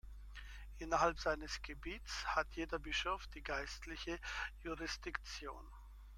Innerhalb seines Gebiets hat jeder Bischof die geistliche Jurisdiktion.